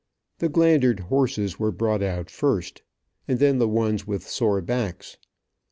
The glandered horses were brought out first, and then the ones with sore backs.